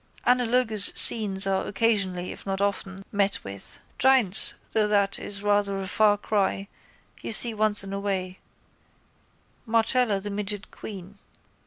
Analogous scenes are occasionally, if not often, met with. Giants, though that is rather a far cry, you see once in a way, Marcella the midget queen.